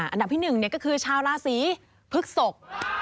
อันดับที่๑เนี่ยก็คือชาวราศิผึกศก